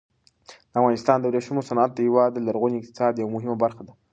د افغانستان د ورېښمو صنعت د هېواد د لرغوني اقتصاد یوه مهمه برخه وه.